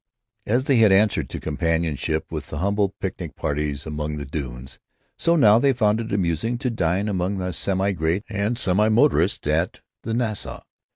As they had answered to companionship with the humble picnic parties among the dunes, so now they found it amusing to dine among the semi great and the semi motorists at the Nassau.